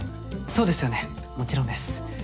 そうですよねもちろんです。